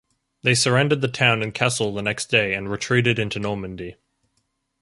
They surrendered the town and castle the next day and retreated into Normandy.